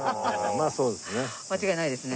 まあそうですね。